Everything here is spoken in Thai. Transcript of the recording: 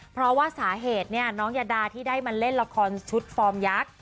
เพราะว่าสาเหตุเนี่ยน้องยาดาที่ได้มาเล่นละครชุดฟอร์มยักษ์